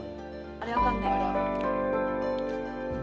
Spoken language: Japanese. あれあかんね。